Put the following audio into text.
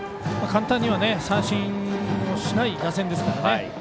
簡単には三振をしない打線ですからね。